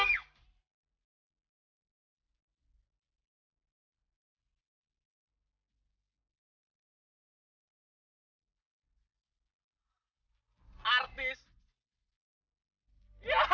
yang nyetrum sabto